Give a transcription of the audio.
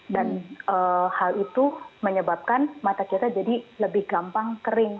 dan hal itu menyebabkan mata kita jadi lebih gampang kering